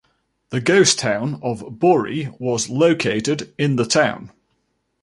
The ghost town of Bohri was located in the town.